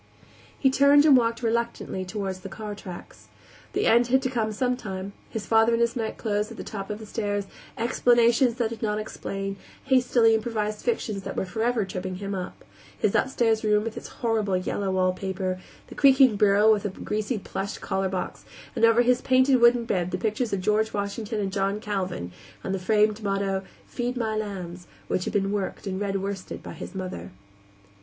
He turned and walked reluctantly toward the car tracks. The end had to come sometime; his father in his nightclothes at the top of the stairs, explanations that did not explain, hastily improvised fictions that were forever tripping him up, his upstairs room and its horrible yellow wallpaper, the creaking bureau with the greasy plush collarbox, and over his painted wooden bed the pictures of George Washington and John Calvin, and the framed motto, "Feed my Lambs," which had been worked in red worsted by his mother.